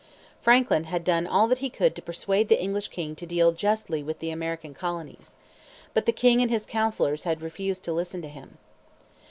Franklin had done all that he could to persuade the English king to deal justly with the American colonies. But the king and his counsellors had refused to listen to him.